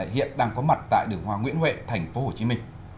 hiện đang có mặt tại đường hoa nguyễn huệ tp hcm